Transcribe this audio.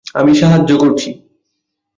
আমি সাহায্য করছি।